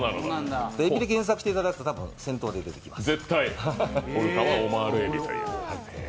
えびで検索していただくと、多分、先頭で出てきます。